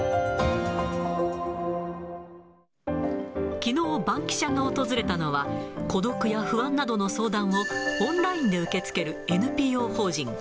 きのう、バンキシャが訪れたのは、孤独や不安などの相談をオンラインで受け付けるＮＰＯ法人。